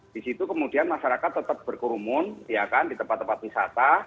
di situ kemudian masyarakat tetap berkurumun ya kan di tempat tempat wisata